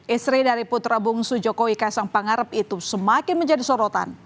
istri dari putra bungsu jokowi kaisang pangarep itu semakin menjadi sorotan